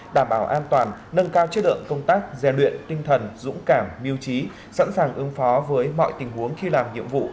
đảm bảo an toàn nâng cao chất lượng công tác gian luyện tinh thần dũng cảm mưu trí sẵn sàng ứng phó với mọi tình huống khi làm nhiệm vụ